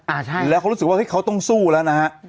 อาี่ใช่แล้วเขารู้สึกว่าที่เขาต้องสู้ละนะฮะ